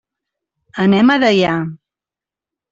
Anem a Deià.